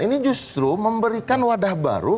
ini justru memberikan wadah baru